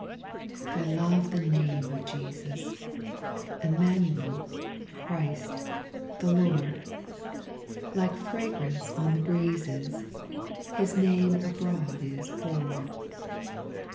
I love the name of Jesus, Immanuel, Christ, the Lord ; Like fragrance on the breezes His name abroad is poured.